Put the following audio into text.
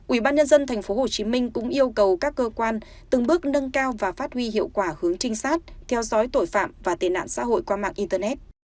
ủy ban nhân dân tp hcm cũng yêu cầu các cơ quan từng bước nâng cao và phát huy hiệu quả hướng trinh sát theo dõi tội phạm và tệ nạn xã hội qua mạng internet